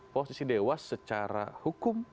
posisi dewas secara hukum